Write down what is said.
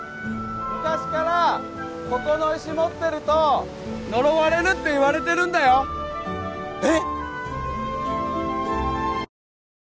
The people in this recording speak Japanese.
昔からここの石持ってると呪われるって言われてるんだよえっ！？